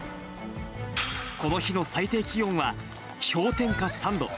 この日の最低気温は、氷点下３度。